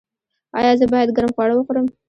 ایا زه باید ګرم خواړه وخورم؟